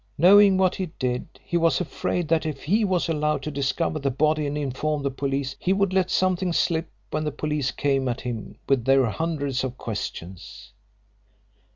Knowing what he did, he was afraid that if he was allowed to discover the body and inform the police, he would let something slip when the police came at him with their hundreds of questions.